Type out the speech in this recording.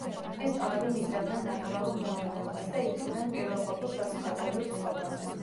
ეს ტომები მისდევდნენ ნატურალურ მეურნეობას და იდგნენ პირველყოფილ საზოგადოებრივ წყობაზე.